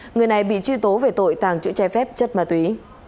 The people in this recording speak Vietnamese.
người này bị truy tố về tội tàng trữ trái phép chất ma túy